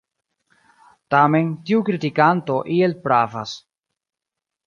Tamen tiu kritikanto iel pravas.